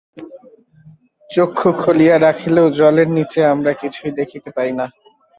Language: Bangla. চক্ষু খুলিয়া রাখিলেও জলের নীচে আমরা কিছুই দেখিতে পাই না।